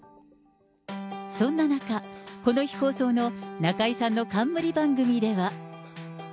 そんな中、この日放送の中居さんの冠番組では。